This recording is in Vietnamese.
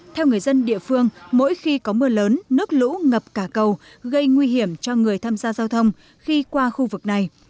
theo người dân địa phương mỗi khi có mưa lớn nước lũ ngập cả cầu gây nguy hiểm cho người tham gia giao thông khi qua khu vực này